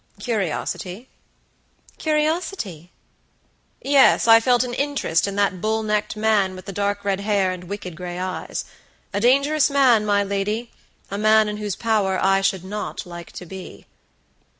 "Curiosity." "Curiosity?" "Yes; I felt an interest in that bull necked man, with the dark red hair and wicked gray eyes. A dangerous man, my ladya man in whose power I should not like to be."